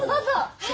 はい。